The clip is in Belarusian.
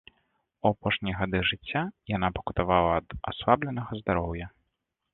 У апошнія гады жыцця яна пакутавала ад аслабленага здароўя.